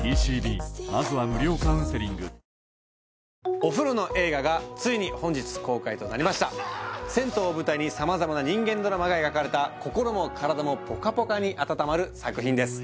お風呂の映画がついに本日公開となりました銭湯を舞台に様々な人間ドラマが描かれた心も体もぽかぽかに温まる作品です